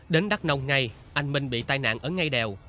đến đắk nông ngay anh minh bị tai nạn ở ngay đèo